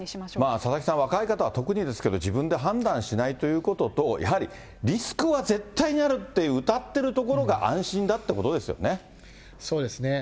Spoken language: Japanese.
佐々木さん、若い方は特にですけど、自分で判断しないということと、やはりリスクは絶対にあるってうたっているところが安心だってこそうですね。